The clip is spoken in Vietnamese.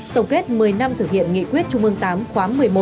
tổng kết một mươi năm thực hiện nghị quyết trung ương tám khóa một mươi một